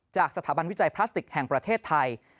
จากสถาบันวิจัยพลาสติกแห่งประเทศไทย